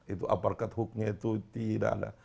itu aparted hooknya itu tidak ada